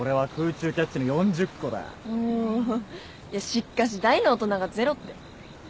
しっかし大の大人がゼロって。